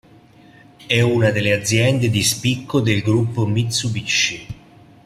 È una delle aziende di spicco del gruppo Mitsubishi.